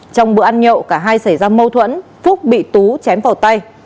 trong bữa ăn nhậu cả hai xảy ra mâu thuẫn phúc bị tú chém vào tay